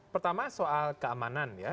pertama soal keamanan ya